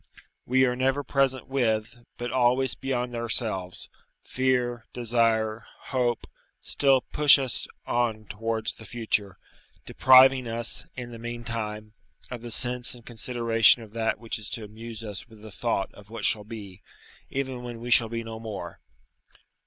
We are never present with, but always beyond ourselves: fear, desire, hope, still push us on towards the future, depriving us, in the meantime, of the sense and consideration of that which is to amuse us with the thought of what shall be, even when we shall be no more.